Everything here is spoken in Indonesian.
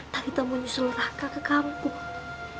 tadi tak mau nyusul raka ke kampung